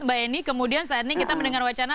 mbak eni kemudian saat ini kita mendengar wacana